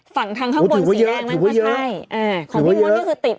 ฝั่งทางข้างบนสีแดงนั้นก็ใช่ถือว่าเยอะ